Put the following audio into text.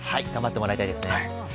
頑張ってもらいたいです。